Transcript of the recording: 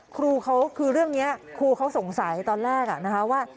ครูเขาคือเรื่องนี้ครูเขาสงสัยตอนแรกนะคะว่า